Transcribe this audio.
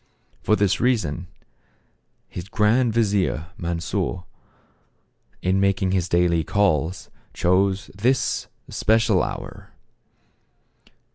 For this reason, his grand vizier, Mansor, in making his daily calls chose this especial hour.